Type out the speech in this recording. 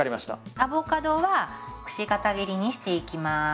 アボカドはくし形切りにしていきます。